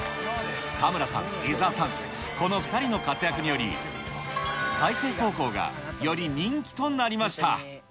田村さん、伊沢さん、この２人の活躍により、開成高校がより人気となりました。